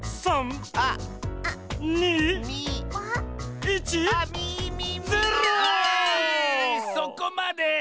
そこまで。